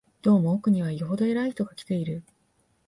どうも奥には、よほど偉い人が来ている